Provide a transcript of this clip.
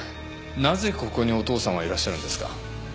なぜここにお父さんはいらっしゃるんですか？